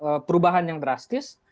jadi perubahan yang drastis